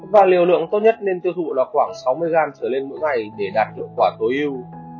và liều lượng tốt nhất nên tiêu thụ là khoảng sáu mươi gram trở lên mỗi ngày để đạt hiệu quả tối ưu